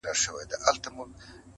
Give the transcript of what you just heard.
هغه نوري ورځي نه در حسابیږي٫